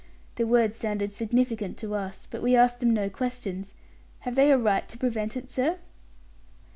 The words sounded significant to us, but we asked them no questions. Have they a right to prevent it, sir?"